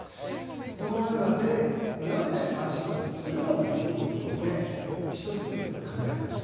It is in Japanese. その中でなぜ足はつるのかということで１句考えてまいりました